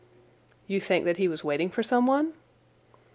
"You think that he was waiting for someone?"